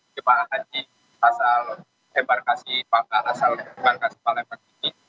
jum ah haji asal embarkasi palembang ini